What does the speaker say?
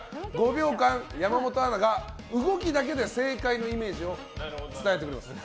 秒間山本アナが動きだけで正解のイメージを伝えてくれます。